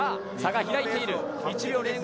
差が開いている。